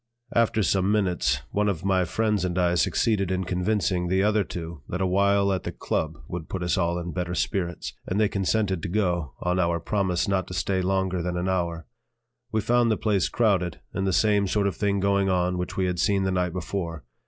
After some minutes one of my friends and I succeeded in convincing the other two that a while at the "Club" would put us all in better spirits; and they consented to go, on our promise not to stay longer than an hour. We found the place crowded, and the same sort of thing going on which we had seen the night before.